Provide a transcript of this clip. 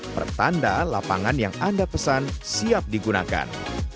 pertanda lapangan yang anda pesan siap digunakan